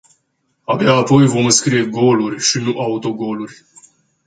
Abia apoi vom înscrie goluri, și nu autogoluri.